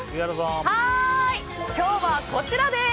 今日はこちらです！